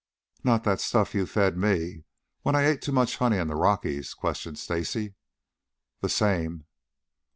"Not that stuff you fed me when I ate too much honey in the Rockies?" questioned Stacy. "The same."